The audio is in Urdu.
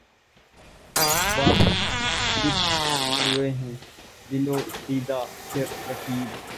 باہم دِکر ہوئے ہیں دل و دیده پهر رقیب